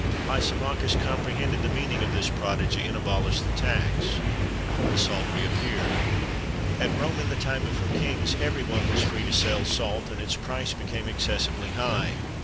Lysimachus comprehended the meaning of this prodigy, and abolished the tax. The salt re appeared.[XXIII 8] At Rome, in the time of her Kings, every one was free to sell salt, and its price became excessively high.